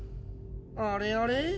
あれあれ？